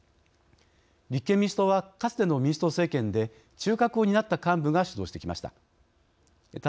立憲民主党は、かつての民主党政権で中核を担った幹部が主導してきました。